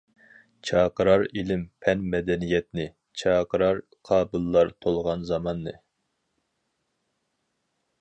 چاقىرار ئىلىم-پەن مەدەنىيەتنى، چاقىرار قابىللار تولغان زاماننى.